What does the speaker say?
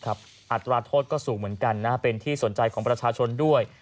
อัตราโทษก็สูงเหมือนกันเป็นที่สนใจของประชาชนด้วย